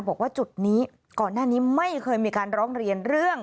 บอกว่าจุดนี้ก่อนหน้านี้ไม่เคยมีการร้องเรียนเรื่อง